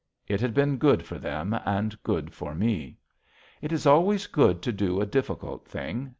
It had been good for them and good for me. It is always good to do a difficult thing.